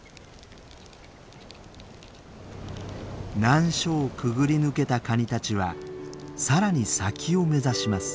難所をくぐり抜けたカニたちはさらに先を目指します。